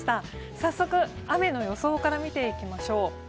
早速、雨の予想から見ていきましょう。